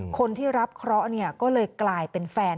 คนที่รับเคราะห์ก็เลยกลายเป็นแฟน